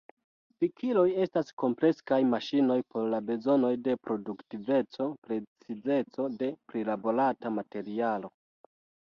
Pikiloj estas kompleksaj maŝinoj por la bezonoj de produktiveco, precizeco de prilaborata materialo.